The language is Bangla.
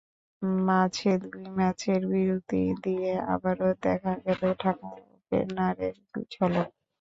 মাঝে দুই ম্যাচের বিরতি দিয়ে আবারও দেখা গেল ঢাকা ওপেনারের ঝলক।